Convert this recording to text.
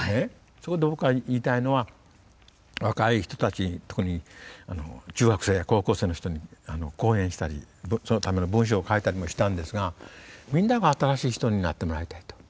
そこで僕が言いたいのは若い人たち特に中学生や高校生の人に講演したりそのための文章を書いたりもしたんですがみんなが「新しい人」になってもらいたいと。